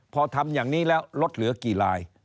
พอทำอย่างนี้แล้วลดเหลือกี่ลาย